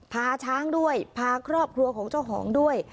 พาช้างด้วยพาครอบครัวของเจ้าของด้วย